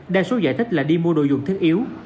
đa số giải thích là đi mua đồ dùng thiết yếu